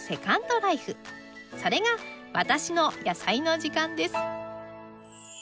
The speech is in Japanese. それが『私のやさいの時間』です」